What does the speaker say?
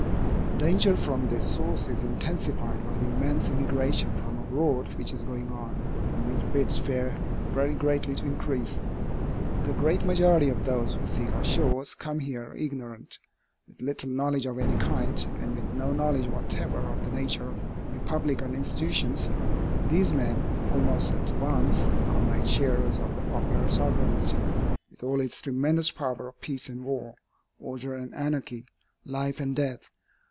The danger from this source is intensified by the immense immigration from abroad which is going on, and which bids fair very greatly to increase. The great majority of those who seek our shores, come here ignorant. With little knowledge of any kind, and with no knowledge whatever of the nature of republican institutions, these men, almost at once, are made sharers of the popular sovereignty, with all its tremendous powers of peace and war, order and anarchy, life and death.